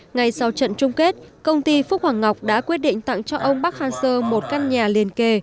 ngay sau trận chung kết công ty phúc hoàng ngọc đã quyết định tặng cho ông park han seo một căn nhà liền kề